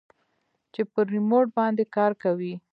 چې په ريموټ باندې کار کوي.